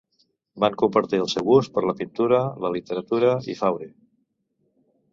Van compartir el seu gust per la pintura, la literatura i Fauré.